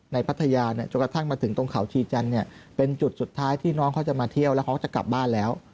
พัทยาจนกระทั่งมาถึงตรงเขาชีจันทร์เป็นจุดสุดท้ายที่น้องเขาจะมาเที่ยวแล้วเขาจะกลับบ้านแล้ว